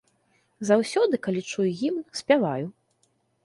Заўсёды, калі чую гімн, спяваю.